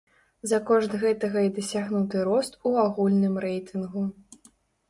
За кошт гэтага і дасягнуты рост у агульным рэйтынгу.